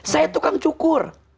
saya tukang cukur